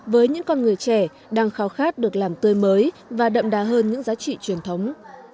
với những con người trẻ đang khao khát được làm tươi mới và đậm đà hơn những giá trị truyền thống